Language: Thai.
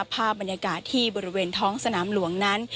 ภาพบรรยากาศที่บริเวณท้องสนามหลวงนั้น